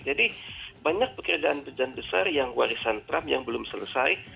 jadi banyak kekiraan dan beban besar yang warisan trump yang belum selesai